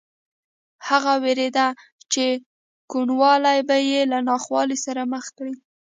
هغه وېرېده چې کوڼوالی به یې له ناخوالې سره مخ کړي